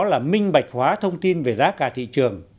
là minh bạch hóa thông tin về giá cả thị trường